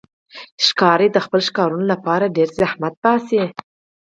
ښکاري د خپلو ښکارونو لپاره ډېر زحمت باسي.